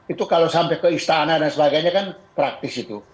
itu kalau sampai ke istana dan sebagainya kan praktis itu